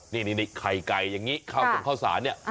นี่ไข่ไก่อย่างนี้ข้าวตรงข้าวสารเนี่ย